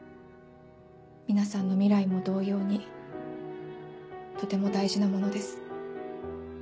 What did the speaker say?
皆さんの未来も同様にとても大事なものです。